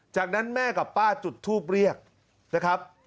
จากนั้นแม่กับป้าจุดทูปเรียกนะครับ